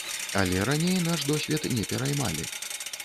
Але раней наш досвед не пераймалі.